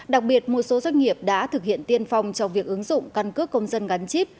đặc biệt một số doanh nghiệp đã thực hiện tiên phong trong việc ứng dụng căn cước công dân gắn chip